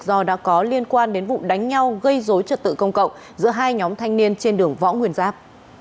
do đã có liên quan đến vụ đánh nhau gây dối trật tự công cộng giữa hai nhóm thanh niên trên đường võ nguyên giáp